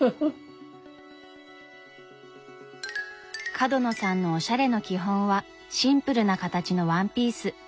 角野さんのおしゃれの基本はシンプルな形のワンピース。